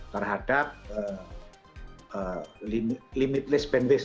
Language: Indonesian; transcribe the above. terhadap limitless bandwidth